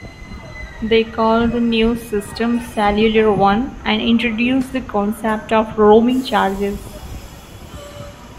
They called the new system "Cellular One", and introduced the concept of roaming charges.